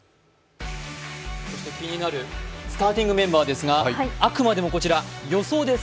気になるスターティングメンバーですがあくまでもこちら、予想です。